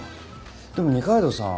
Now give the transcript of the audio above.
でも二階堂さん